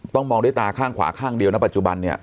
มองด้วยตาข้างขวาข้างเดียวนะปัจจุบันเนี่ย